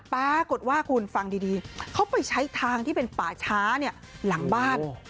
ปรากฏว่าคุณฟังดีเขาไปใช้ทางที่เป็นป่าช้าหลังบ้าน